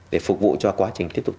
để phục vụ cho quá trình tiếp tục